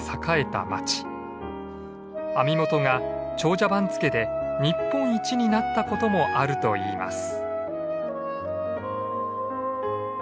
網元が長者番付で日本一になったこともあるといいます。